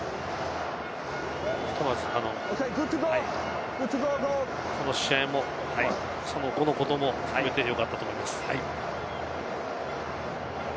ひとまず、この試合も今後のことも含めてよかったと思います。